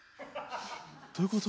どういうこと？